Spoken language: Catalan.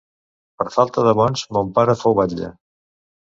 Per falta de bons, mon pare fou batlle.